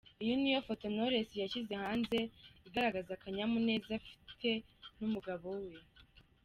Iyi niyo foto Knowless yashyize hanze igaragaza akanyamuneza afite n’umugabo we.